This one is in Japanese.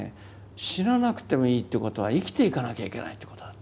死ななくてもいいっていうことは生きていかなきゃいけないっていうことだった。